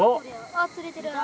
あっ釣れてる。